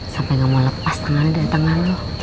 sampai gak mau lepas tangannya dari tangan lo